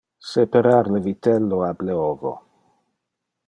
Separar le vitello ab le ovo.